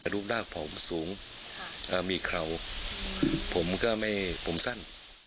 ดูด้าของผมสูงมีเข่าผมก็ไม่ผมสั้น